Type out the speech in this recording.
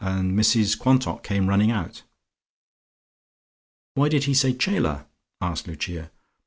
and Mrs Quantock came running out." "Why did he say 'Chela'?" asked Lucia.